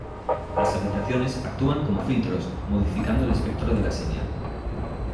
Las habitaciones actúan como filtros, modificando el espectro de la señal.